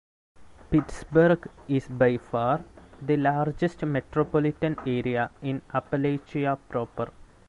Pittsburgh is by far the largest metropolitan area in Appalachia proper.